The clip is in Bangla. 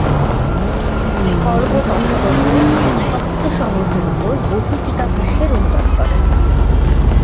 তিনি সর্বতথাগততত্ত্বসংগ্রহের ওপর বহু টীকাভাষ্যের অনুবাদ করেন।